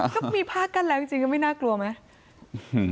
ก็มีผ้ากั้นแล้วจริงก็ไม่น่ากลัวไหม